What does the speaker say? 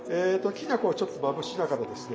きな粉をちょっとまぶしながらですね